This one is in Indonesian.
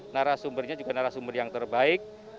narasumbernya juga narasumber yang terbaik